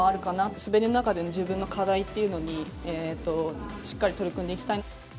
滑りの中での自分の課題っていうのに、しっかり取り組んでいきたい。